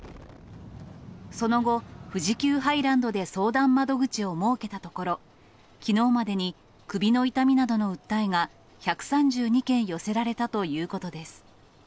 その後、富士急ハイランドで相談窓口を設けたところ、きのうまでに首の痛みなどの訴えが１３２件寄せられたということです。